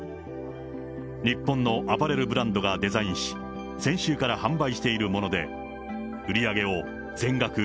日本のアパレルブランドがデザインし、先週から販売しているもので、売り上げを全額